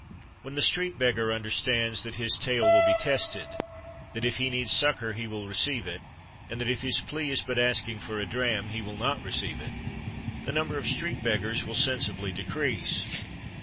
When the street beggar understands that his tale will be tested, that if he needs succor he will receive it, and that if his plea is but asking for a dram he will not receive it, the number of street beggars will sensibly decrease.